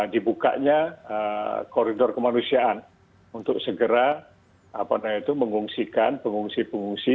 dibukanya koridor kemanusiaan untuk segera mengungsikan pengungsi pengungsi